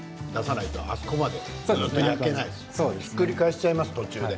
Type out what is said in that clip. ひっくり返しちゃいますよね。